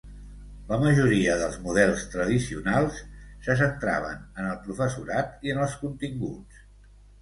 La majoria dels models tradicionals se centraven en el professorat i en els continguts.